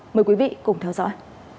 mời quý vị cùng theo dõi